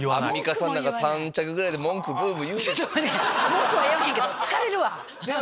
文句は言わへんけど疲れるわ。